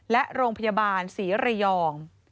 และโรงพยาบาลศรีระยอง